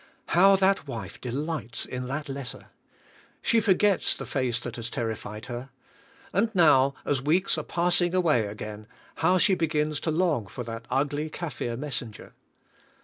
How that wife delights in that letter! She forgets 174 THA T GOD MA V BE ALL IN ALL the face that has terrified her. And now as weeks are passing awa}^ again, how she begins to long for that ugly Kafir messenger!